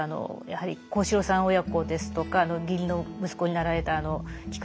やはり幸四郎さん親子ですとか義理の息子になられた菊之助さんご一家